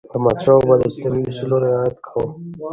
احمدشاه بابا د اسلامي اصولو رعایت کاوه.